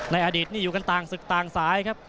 อดีตนี่อยู่กันต่างศึกต่างสายครับ